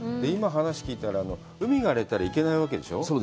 今、話を聞いたら、海が荒れたら行けないわけでしょう？